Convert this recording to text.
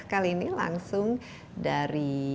kali ini langsung dari